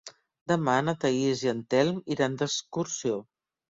Demà na Thaís i en Telm iran d'excursió.